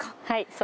はい。